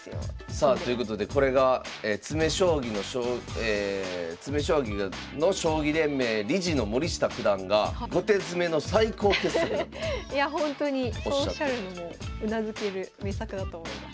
さあということでこれが詰将棋の将棋連盟理事の森下九段がいやほんとにそうおっしゃるのもうなずける名作だと思います。